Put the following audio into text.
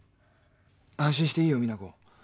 安心していいよ実那子。